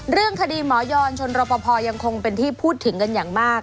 เรื่องคดีหมอยอนชนรปภยังคงเป็นที่พูดถึงกันอย่างมาก